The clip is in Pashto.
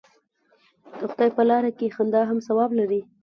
د خدای په لاره کې خندا هم ثواب لري.